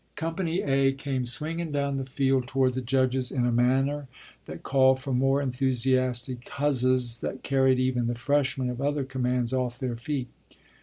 Company "A" came swinging down the field toward the judges in a manner that called for more enthusiastic huzzas that carried even the Freshmen of other commands "off their feet."